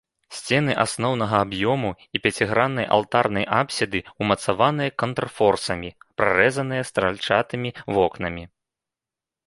Сцены асноўнага аб'ёму і пяціграннай алтарнай апсіды ўмацаваныя контрфорсамі, прарэзаныя стральчатымі вокнамі.